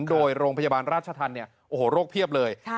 โดยโรงพยาบาลราชธรรมเนี้ยโอ้โหโรคเพียบเลยค่ะ